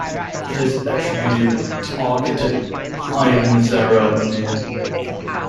It is attributed to architect Ivan Zarudny.